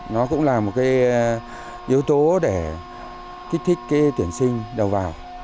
nó cũng là một cái yếu tố để kích thích cái tuyển sinh đầu vào